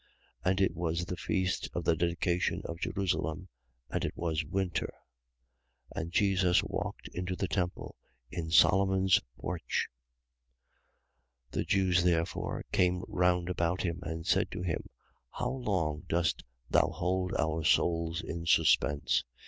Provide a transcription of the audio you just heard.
10:22. And it was the feast of the dedication at Jerusalem: and it was winter. 10:23. And Jesus walked in the temple, in Solomon's porch. 10:24. The Jews therefore came round about him and said to him: How long dost thou hold our souls in suspense?